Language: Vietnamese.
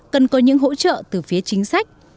cần có những hỗ trợ từ phía chính sách